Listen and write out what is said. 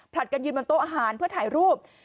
กันยืนบนโต๊ะอาหารเพื่อถ่ายรูป